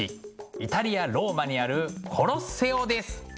イタリア・ローマにあるコロッセオです。